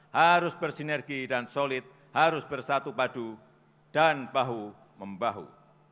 harus bersinergi dan solid harus bersatu padu dan bahu membahu